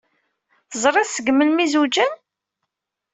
Teẓriḍ seg melmi ay zewjen?